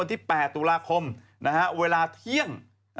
วันที่๘ตุลาคมนะครับเวลาเที่ยง